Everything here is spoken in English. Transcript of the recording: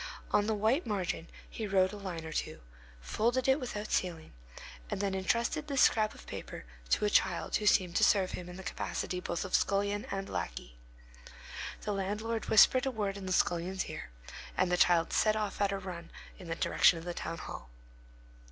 On the white margin he wrote a line or two, folded it without sealing, and then intrusted this scrap of paper to a child who seemed to serve him in the capacity both of scullion and lackey. The landlord whispered a word in the scullion's ear, and the child set off on a run in the direction of the town hall.